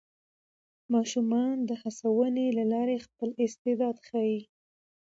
ماشومان د هڅونې له لارې خپل استعداد ښيي